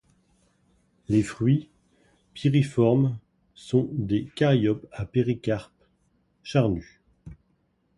Les fruits, pyriformes, sont des caryopses a péricarpe charnu.